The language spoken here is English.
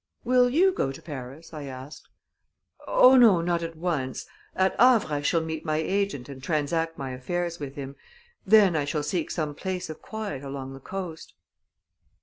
"Will you go to Paris?" I asked. "Oh, no; not at once. At Havre I shall meet my agent and transact my affairs with him. Then I shall seek some place of quiet along the coast."